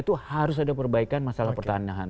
itu harus ada perbaikan masalah pertandahan